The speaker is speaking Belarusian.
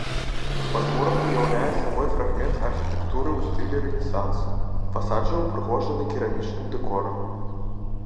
Падмурак уяўляе сабой фрагмент архітэктуры ў стылі рэнесанс, фасад жа ўпрыгожаны керамічным дэкорам.